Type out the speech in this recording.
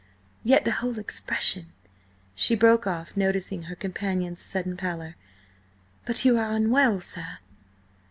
Yet the whole expression—" She broke off, noticing her companion's sudden pallor. "But you are unwell, sir?"